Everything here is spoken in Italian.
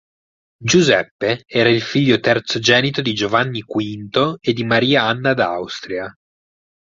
Giuseppe era il figlio terzogenito di Giovanni V e di Maria Anna d'Austria.